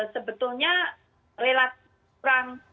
sebetulnya relaksasi perang